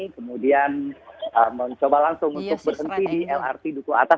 kemudian mencoba langsung untuk berhenti di lrt duku atas